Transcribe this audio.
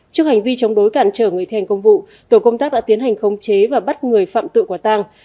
trước hành vi chống đối cản trở người thi hành công vụ tổ công tác đã tiến hành khống chế và bắt người phạm tự quả tàng